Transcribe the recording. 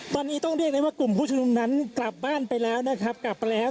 ตอนนี้ต้องเรียกได้ว่ากลุ่มผู้ชมนุมนั้นกลับบ้านไปแล้วนะครับกลับไปแล้ว